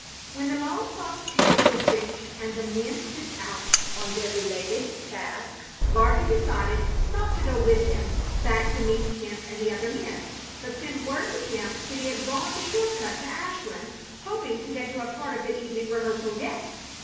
When the Lone Fox camp was reached and the men sent out on their belated task, Gardley decided not to go with them back to meet Kemp and the other men, but sent word to Kemp that he had gone the short cut to Ashland, hoping to get to a part of the evening rehearsal yet.